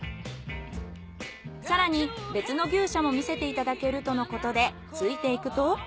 更に別の牛舎も見せていただけるとのことでついていくと。